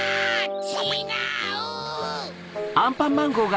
ちがう！